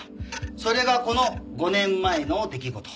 それがこの５年前の出来事。